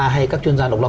hay các chuyên gia độc lập